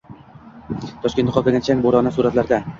Toshkentni qoplagan chang bo‘roni — suratlarda